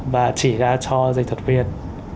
và chỉ ra cho dịch thuật viên